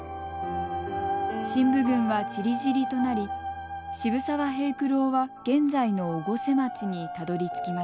振武軍はちりぢりとなり渋沢平九郎は現在の越生町にたどりつきました。